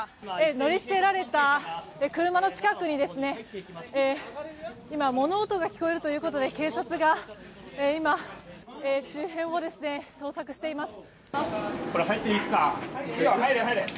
乗り捨てられた車の近くに物音が聞こえるということで警察が周辺を捜索しています。